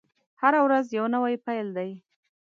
هره ورځ یوه نوې پیل دی.